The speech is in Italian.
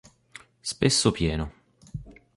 Spesso pieno.